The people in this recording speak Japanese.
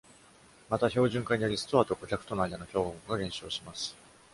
また、標準化により、ストアと顧客との間の競合が減少します。